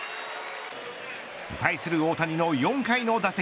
対する大谷の４回の打席。